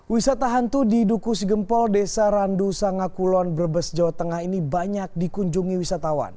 wisata hantu di duku sigempol desa randu sangakulon brebes jawa tengah ini banyak dikunjungi wisatawan